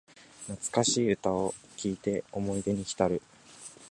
懐かしい歌を聴いて思い出にひたる